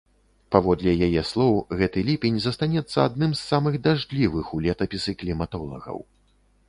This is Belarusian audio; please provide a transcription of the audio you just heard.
Паводле яе слоў, гэты ліпень застанецца адным з самых дажджлівых у летапісы кліматолагаў.